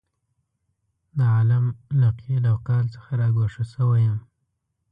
د عالم له قیل او قال څخه را ګوښه شوی یم.